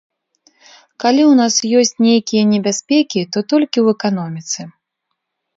Калі ў нас ёсць нейкія небяспекі, то толькі ў эканоміцы.